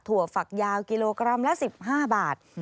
ฝักยาวกิโลกรัมละ๑๕บาท